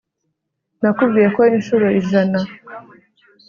nakubwiye ko inshuro ijana